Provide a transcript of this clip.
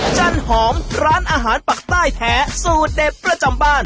จันหอมร้านอาหารปักใต้แท้สูตรเด็ดประจำบ้าน